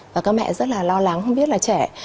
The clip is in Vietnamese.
và các mẹ rất là lo lắng không biết là trẻ